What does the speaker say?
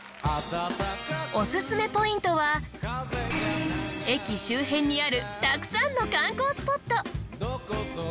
オススメポイントは駅周辺にあるたくさんの観光スポット。